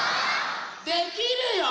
できるよ！